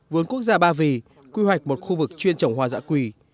vườn quốc gia ba vì quy hoạch một khu vực chuyên trồng hoa giã quỷ